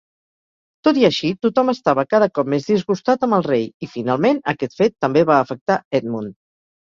Tot i així, tothom estava cada cop més disgustat amb el rei i, finalment, aquest fet també va afectar Edmund.